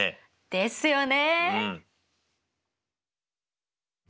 ですよね。